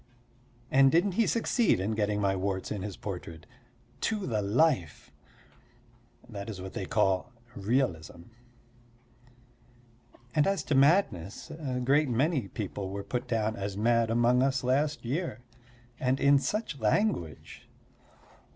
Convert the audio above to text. And didn't he succeed in getting my warts in his portrait to the life. That is what they call realism. And as to madness, a great many people were put down as mad among us last year. And in such language!